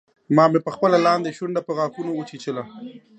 ما مې خپله لاندۍ شونډه په غاښونو وچیچله